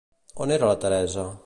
On era la Teresa?